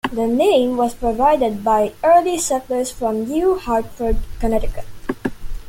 The name was provided by early settlers from New Hartford, Connecticut.